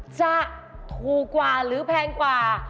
จะถูกกว่าหรือแพงกว่า